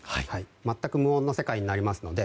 全く無音の世界になりますので